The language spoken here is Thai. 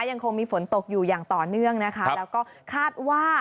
ยังคงมีฝนตกอยู่อย่างต่อเนื่องนะคะแล้วก็คาดว่า